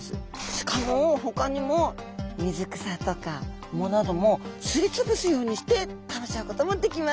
しかもほかにも水草とか藻などもすり潰すようにして食べちゃうこともできます。